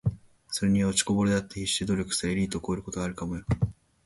｢それによ……落ちこぼれだって必死で努力すりゃエリートを超えることがあるかもよ｣